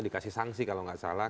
dikasih sanksi kalau nggak salah